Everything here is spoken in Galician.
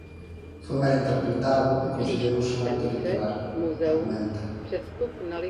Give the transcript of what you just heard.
Foi mal interpretado e considerouse un acto electoral, argumenta.